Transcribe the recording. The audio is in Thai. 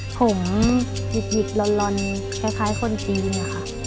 ผมหยุดหยุดร้อนคล้ายคนจีนนะคะ